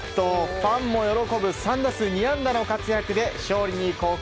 ファンも喜ぶ３打数２安打の活躍で勝利に貢献。